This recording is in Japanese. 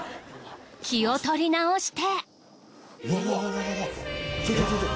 気を取り直して。